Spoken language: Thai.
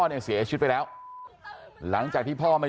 มานี่ใครไปแจ้งมาแจ้งมา